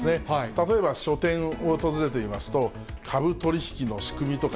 例えば書店、訪れてみますと、株取り引きの仕組みとか、